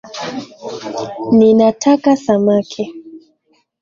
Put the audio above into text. Ninataka samaki